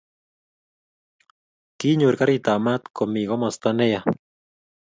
kinyor karit ab maat komii komasta ne ya